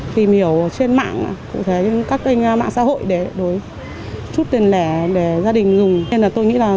tìm hiểu trên mạng các kênh mạng xã hội để đổi chút tiền lẻ để gia đình dùng